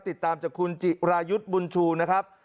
ติดตามจากคุณจิรายุทธ์บุญชูนะครับ